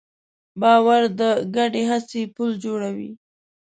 باور د ګډې هڅې پُل جوړوي.